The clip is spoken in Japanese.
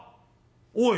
おい。